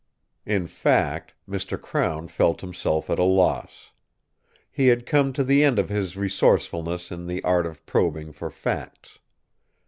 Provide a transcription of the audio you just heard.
In fact, Mr. Crown felt himself at a loss. He had come to the end of his resourcefulness in the art of probing for facts.